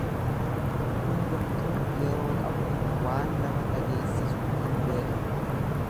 Hundumtuu yeroo qaba waan nama dhageessisu hin beekan.